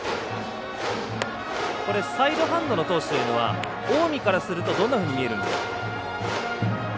サイドハンドの投手というのは近江からするとどんなふうに見えるんですか。